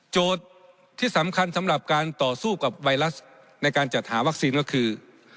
ที่สำคัญสำหรับการต่อสู้กับไวรัสในการจัดหาวัคซีนก็คือ